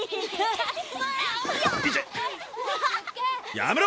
やめろ！